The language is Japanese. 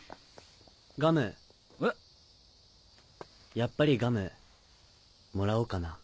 やっぱりガムもらおうかな。